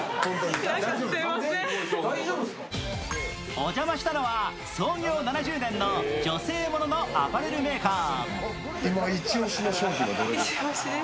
お邪魔したのは創業７０年の女性もののアパレルメーカー。